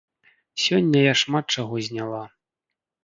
Сёння я шмат чаго зняла.